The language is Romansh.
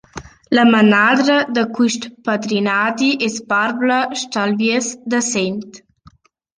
La manadra da quist padrinadi es Barbla Stalvies da Sent.